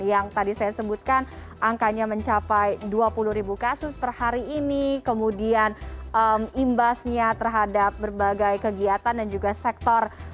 yang tadi saya sebutkan angkanya mencapai dua puluh ribu kasus per hari ini kemudian imbasnya terhadap berbagai kegiatan dan juga sektor